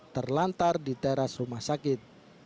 terlantar di teras rumah sakit